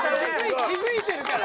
気づいてるから。